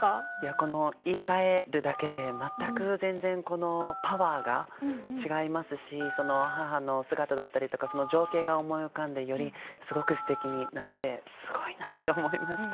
この言いかえるだけで全く全然このパワーが違いますし母の姿だったりとかその情景が思い浮かんでよりすごくすてきになってすごいなって思いました。